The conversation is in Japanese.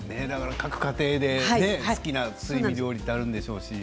各家庭で、好きなすり身料理があるんでしょうね。